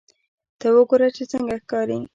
ته وګوره چې څنګه ښکاري